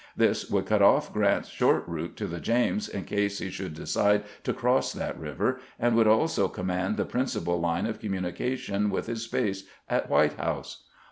This would cut off Grant's short route to the James in case he should decide to cross that river, and would also com mand the principal line of communication with his base at White House.